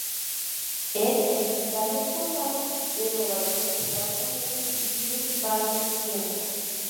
El el fiscal del condado de Nueva York, Estados Unidos, Cyrus Vance Jr.